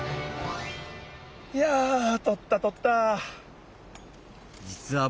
いやとったとった！